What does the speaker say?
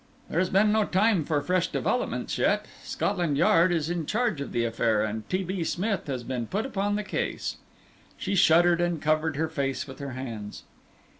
"There has been no time for fresh developments yet. Scotland Yard is in charge of the affair, and T. B. Smith has been put upon the case." She shuddered and covered her face with her hands.